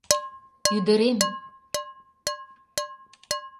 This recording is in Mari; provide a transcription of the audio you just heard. ӱдырем